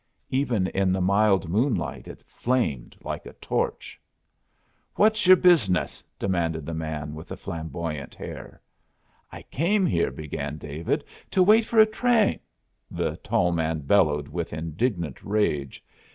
Even in the mild moonlight it flamed like a torch. "What's your business?" demanded the man with the flamboyant hair. "I came here," began David, "to wait for a train " The tall man bellowed with indignant rage.